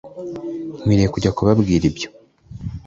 nkwiye kujya kubabwira ibyo